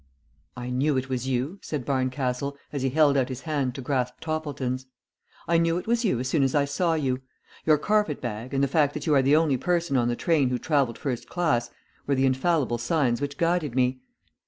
"I knew it was you," said Barncastle, as he held out his hand to grasp Toppleton's. "I knew it was you as soon as I saw you. Your carpet bag, and the fact that you are the only person on the train who travelled first class, were the infallible signs which guided me."